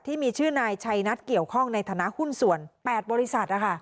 ที่มีชื่อนายชัยนัทเกี่ยวข้องในฐานะหุ้นส่วน๘บริษัท